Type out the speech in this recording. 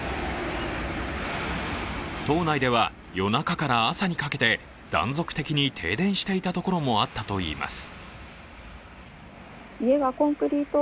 島内では夜中から朝にかけて断続的に停電していたところもあったといいます。